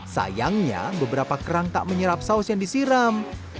sayangnya beberapa kerang tak menyerap saus yang disiram